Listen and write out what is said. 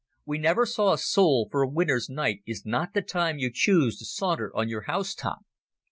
We never saw a soul, for a winter's night is not the time you choose to saunter on your housetop.